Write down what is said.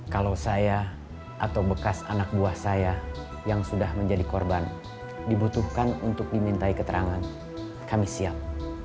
kalau saya atau bekas anak buah saya yang sudah menjadi korban dibutuhkan untuk dimintai keterangan kami siap